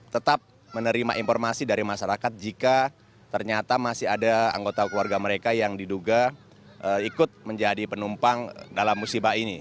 tetap menerima informasi dari masyarakat jika ternyata masih ada anggota keluarga mereka yang diduga ikut menjadi penumpang dalam musibah ini